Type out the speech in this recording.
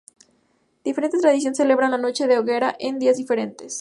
Diferentes tradiciones celebran la Noche de hoguera en días diferentes.